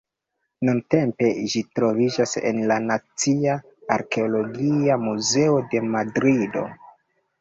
Nuntempe ĝi troviĝas en la Nacia Arkeologia Muzeo de Madrido.